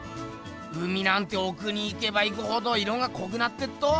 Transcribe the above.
海なんておくに行けば行くほど色がこくなってっと！